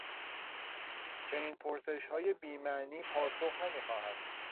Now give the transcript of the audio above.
چنین پرسشهای بیمعنی پاسخ نمیخواهد.